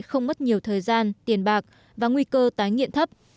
không mất nhiều thời gian tiền bạc và nguy cơ tái nghiện thấp